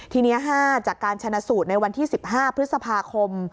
ทีนี้๕จากการชนะสูตรในวันที่๑๕พฤษภาคม